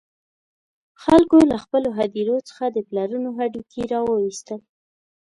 خلکو له خپلو هدیرو څخه د پلرونو هډوکي را وویستل.